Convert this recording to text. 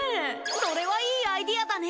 それはいいアイデアだね！